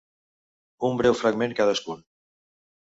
Un breu fragment cadascun.